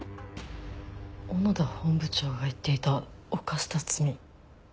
小野田本部長が言っていた「犯した罪」。